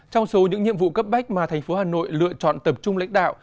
trong số những nhiệm vụ cấp bách mà thành phố hà nội lựa chọn tập trung lãnh đạo